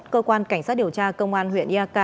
cơ quan cảnh sát điều tra công an huyện yaka